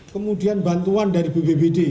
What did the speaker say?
kemudian bantuan dari bbbd